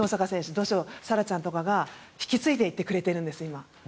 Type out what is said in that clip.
土性沙羅ちゃんとかが引き継いでいってくれてるんです。